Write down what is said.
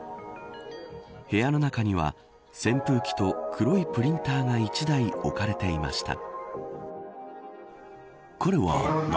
部屋の中には、扇風機と黒いプリンターが１台置かれていました。